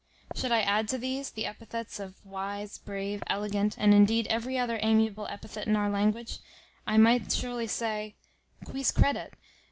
Should I add to these the epithets of wise, brave, elegant, and indeed every other amiable epithet in our language, I might surely say, _ Quis credet?